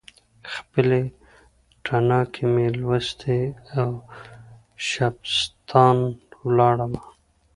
خپلې تڼاکې مې لوستي، ترشبستان ولاړمه